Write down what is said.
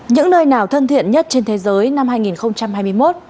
những nơi nào thân thiện nhất trên thế giới năm hai nghìn hai mươi một